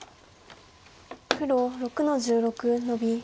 黒６の十六ノビ。